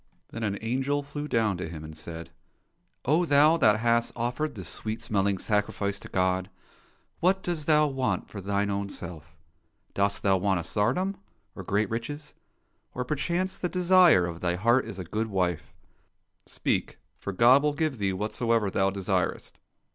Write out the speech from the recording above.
Then an angel flew down to him, and said, " Oh, thou that hast offered this sweet smelling sacrifice to God, what dost thou want for thine own self ? Dost thou want a tsardom, or great riches ? Or, perchance, the desire of thy heart is a good wife ? Speak, for God will give thee whatsoever thou desirest."